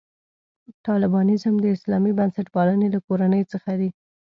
طالبانیزم د اسلامي بنسټپالنې له کورنۍ څخه دی.